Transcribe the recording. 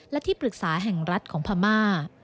และที่ปรึกษาแห่งรัฐของพม่า